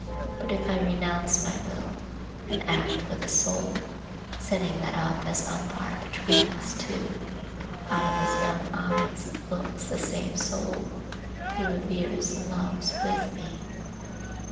But if I renounce my will and act for the soul, setting that up as umpire between us two, out of his young eyes looks the same soul; he reveres and loves with me.